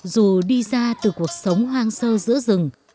dù đi ra từ cuộc sống hoang sơ giữa rừng